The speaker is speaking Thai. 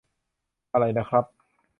อะไรนะครับ